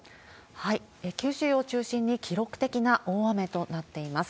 九州を中心に記録的な大雨となっています。